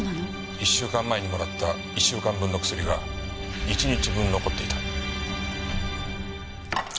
１週間前にもらった１週間分の薬が１日分残っていた。